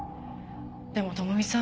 でも朋美さん